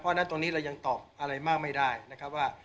เพราะฉะนั้นตรงนี้เรายังตอบอะไรมากไม่ได้นะครับว่า